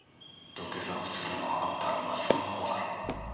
土下座をするのはあんたの息子のほうだろ。